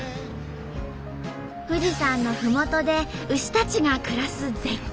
富士山のふもとで牛たちが暮らす絶景。